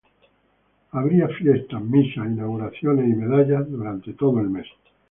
Habría fiestas, misas, inauguraciones y medallas durante todo el mes.